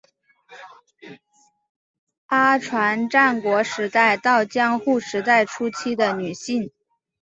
阿船战国时代到江户时代初期的女性。